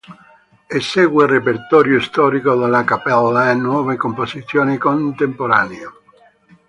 Esegue repertorio storico della Cappella e nuove composizioni contemporanee.